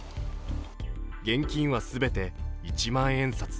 現金は全て一万円札。